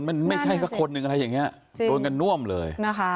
มันไม่ใช่สักคนหนึ่งอะไรอย่างนี้โดนกันน่วมเลยนะคะ